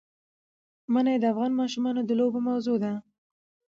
منی د افغان ماشومانو د لوبو موضوع ده.